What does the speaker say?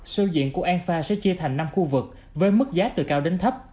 sơ diện của anpha sẽ chia thành năm khu vực với mức giá từ cao đến thấp